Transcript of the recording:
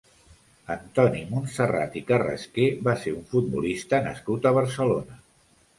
Antoni Montserrat i Carrasqué va ser un futbolista nascut a Barcelona.